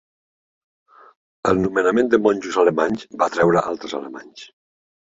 El nomenament de monjos alemanys va atreure altres alemanys.